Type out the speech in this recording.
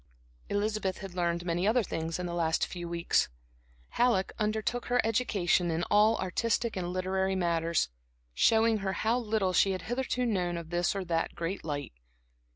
Elizabeth had learned many other things in the last few weeks. Halleck undertook her education in all artistic and literary matters, showing her how little she had hitherto known of this or that great light.